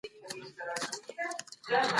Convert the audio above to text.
په څېړنه کې د هر توري اهمیت معلومیږي.